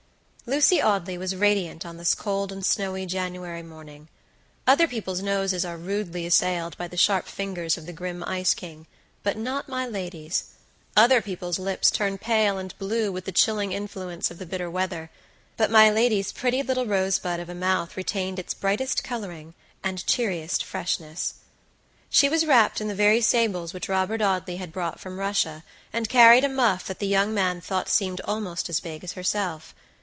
Lucy Audley was radiant on this cold and snowy January morning. Other people's noses are rudely assailed by the sharp fingers of the grim ice king, but not my lady's; other people's lips turn pale and blue with the chilling influence of the bitter weather, but my lady's pretty little rosebud of a mouth retained its brightest coloring and cheeriest freshness. She was wrapped in the very sables which Robert Audley had brought from Russia, and carried a muff that the young man thought seemed almost as big as herself.